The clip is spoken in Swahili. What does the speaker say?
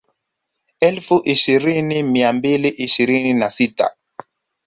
Elfu ishirini mia mbili ishirini na sita